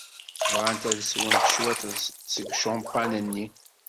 Bɣant ad swent cwiṭ seg ucampan-nni.